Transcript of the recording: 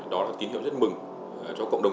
đó là tín hiệu rất mừng cho cộng đồng